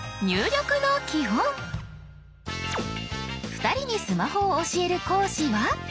２人にスマホを教える講師は。